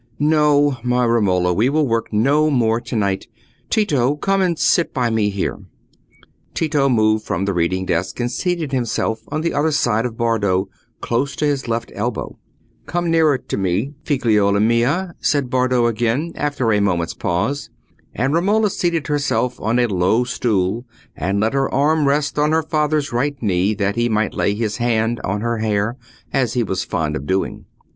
"No, my Romola, we will work no more to night. Tito, come and sit by me here." Tito moved from the reading desk, and seated himself on the other side of Bardo, close to his left elbow. "Come nearer to me, figliuola mia," said Bardo again, after a moment's pause. And Romola seated herself on a low stool and let her arm rest on her father's right knee, that he might lay his hand on her hair, as he was fond of doing.